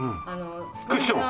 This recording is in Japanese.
クッション？